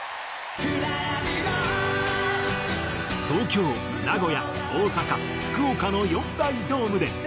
東京名古屋大阪福岡の４大ドームで。